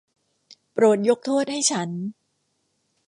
โปรดยกโทษให้ฉัน.